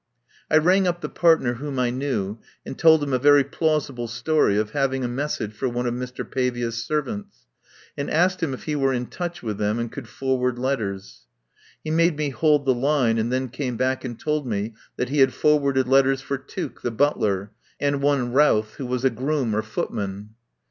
I rang up the partner whom I knew and told him a very plausible story of having a message for one of Mr. Pavia's servants, and asked him if he were in touch with them and could forward letters. He made me hold the line, and then came back and told me that he had forwarded letters for Tuke, the butler, and one Routh who was a groom or footman.